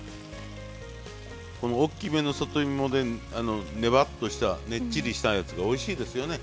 この大きめの里芋でねばっとしたねっちりしたやつがおいしいですよね。